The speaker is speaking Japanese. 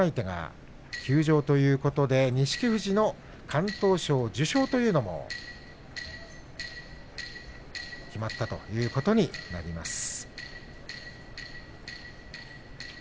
富士の対戦相手が休場ということで錦富士の敢闘賞受賞というのも決まったということになりました。